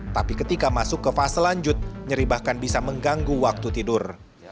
tapi ketika masuk ke fase lanjut nyeri bahkan bisa mengganggu waktu tidur